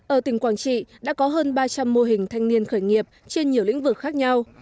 ở tỉnh quảng trị đã có hơn ba trăm linh mô hình thanh niên khởi nghiệp trên nhiều lĩnh vực khác nhau